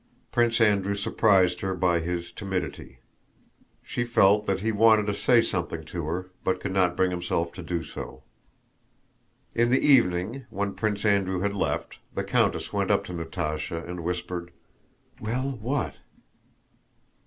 Prince Andrew surprised her by his timidity. She felt that he wanted to say something to her but could not bring himself to do so. In the evening, when Prince Andrew had left, the countess went up to Natásha and whispered: "Well, what?"